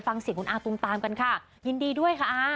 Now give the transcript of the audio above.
ฟังเสียงคุณอาตุมตามกันค่ะยินดีด้วยค่ะ